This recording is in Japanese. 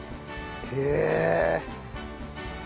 へえ！